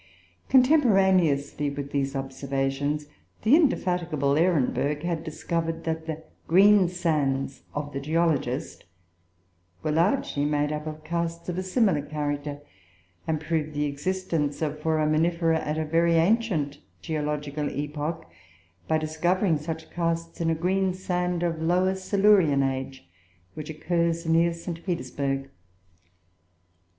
Contemporaneously with these observations, the indefatigable Ehrenberg had discovered that the "greensands" of the geologist were largely made up of casts of a similar character, and proved the existence of Foraminifera at a very ancient geological epoch, by discovering such casts in a greensand of Lower Silurian age, which occurs near St. Petersburg.